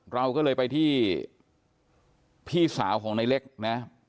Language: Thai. เราก็เลยไปที่พี่สาวของในเล็กนะ